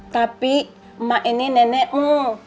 tapi emak ini nenekmu